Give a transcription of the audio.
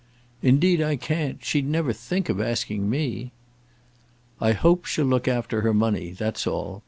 "Indeed I can't. She'd never think of asking me." "I hope she'll look after her money, that's all.